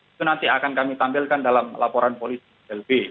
itu nanti akan kami tampilkan dalam laporan polisi lb